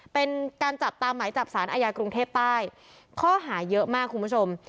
เป็นการจับตามหมายจับสารอาญากรุงเทพใต้ข้อหาเยอะมากคุณผู้ชม